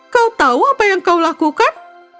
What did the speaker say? kau tahu apa yang kau lakukan